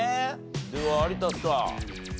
では有田さん。